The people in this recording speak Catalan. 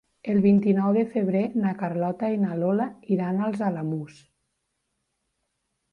El vint-i-nou de febrer na Carlota i na Lola iran als Alamús.